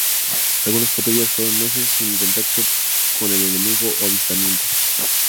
Algunas patrullas fueron meses sin contacto con el enemigo o avistamientos.